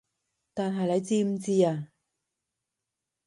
但係你知唔知啊